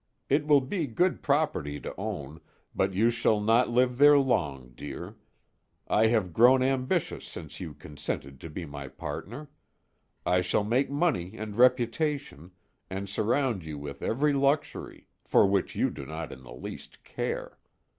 It will be good property to own, but you shall not live there long, dear. I have grown ambitious since you consented to be my partner. I shall make money and reputation, and surround you with every luxury for which you do not in the least care.